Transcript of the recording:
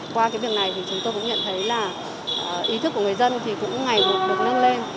qua cái việc này thì chúng tôi cũng nhận thấy là ý thức của người dân thì cũng ngày buộc được nâng lên